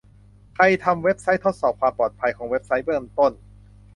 ใครทำเว็บไซต์ ทดสอบความปลอดภัยของเว็บไซต์เบื้องต้น